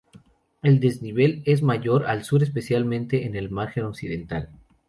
El desnivel es mayor al sur, especialmente en el margen occidental.